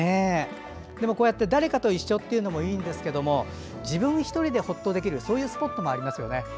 こうやって誰かと一緒というのもいいんですけど自分１人でほっとできるスポットもありますよね。